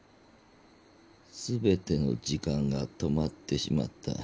全ての時間が止まってしまった。